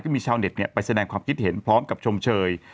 มีชาวเน็ตไปแสดงความคิดเห็นพร้อมกับชมเชย